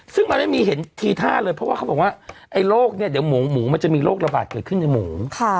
ซึ่งมันไม่มีเห็นทีท่าเลยเพราะว่าเขาบอกว่าไอ้โรคเนี่ยเดี๋ยวหมูหมูมันจะมีโรคระบาดเกิดขึ้นในหมู